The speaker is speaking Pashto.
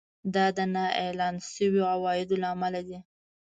دا د نااعلان شويو عوایدو له امله دی